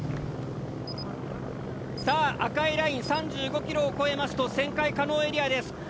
さあ赤いライン３５ｋｍを越えますと旋回可能エリアです。